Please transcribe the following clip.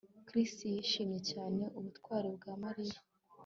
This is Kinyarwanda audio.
Chris yishimiye cyane ubutwari bwa Mariya